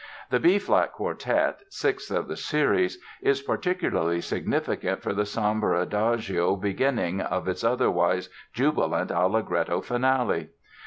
The B flat Quartet, sixth of the series, is particularly significant for the sombre adagio beginning of its otherwise jubilant allegretto Finale.